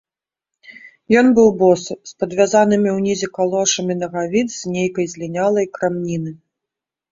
Ён быў босы, з падвязанымі ўнізе калошамі нагавіц з нейкай злінялай крамніны.